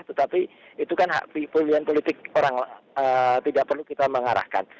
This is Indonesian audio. tetapi itu kan hak pilihan politik orang tidak perlu kita mengarahkan